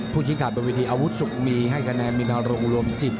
ผู้ชิงขาดเป็นวิธีอาวุธสุขมีให้คะแนนมินาลงรวมจิต